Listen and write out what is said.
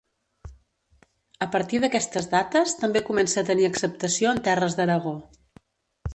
A partir d'aquestes dates, també comença a tenir acceptació en terres d'Aragó.